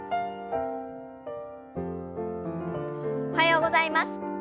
おはようございます。